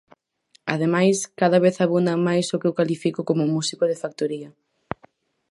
Ademais, cada vez abundan máis o que eu cualifico como 'músico de factoría'.